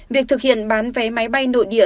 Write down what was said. việc thực hiện bán vé máy bay nội địa